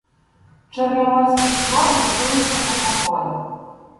Чорноморський флот готується до походу.